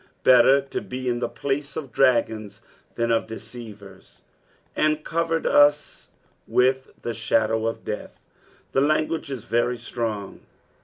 Better to be in the place of dragons than of deceivers. "And eotertd u* teith tit Mhadov of d«Uh.'' The language is very strong.